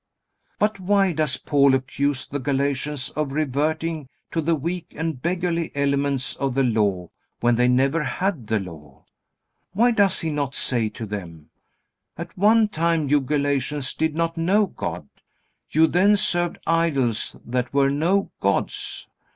But why does Paul accuse the Galatians of reverting to the weak and beggarly elements of the Law when they never had the Law? Why does he not say to them: "At one time you Galatians did not know God. You then served idols that were no gods.